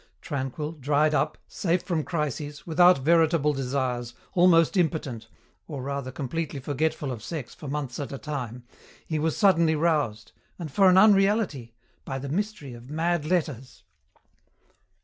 Tranquil, dried up, safe from crises, without veritable desires, almost impotent, or rather completely forgetful of sex for months at a time, he was suddenly roused and for an unreality! by the mystery of mad letters.